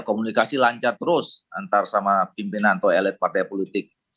komunikasi lancar terus antar sama pimpinan atau elit partai politik